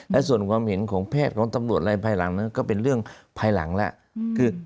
และส่วนความเห็นของแพทย์ของตำรวจอะไรภายหลังนั้นก็เป็นเรื่องภายหลังแล้ว